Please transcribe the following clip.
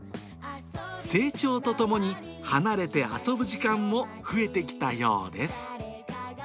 成長とともに離れて遊ぶ時間も増えてきたようです。